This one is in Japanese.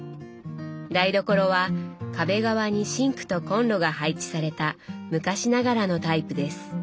台所は壁側にシンクとコンロが配置された昔ながらのタイプです。